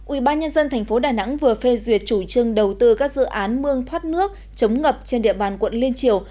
ubnd tp đà nẵng vừa phê duyệt chủ trương đầu tư các dự án mương thoát nước chống ngập trên địa bàn quận liên triều